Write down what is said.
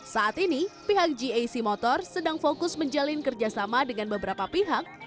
saat ini pihak gac motor sedang fokus menjalin kerjasama dengan beberapa pihak